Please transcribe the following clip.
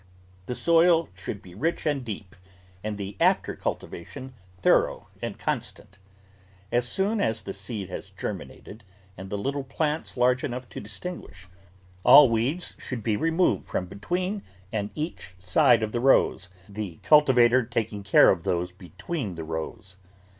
The soil should be rich and deep and the after cultivation thorough and constant. As soon as the seed has germinated and the little plants large enough to distinguish, all weeds should be removed from between and each side of the rows, the cultivator taking care of those between the rows.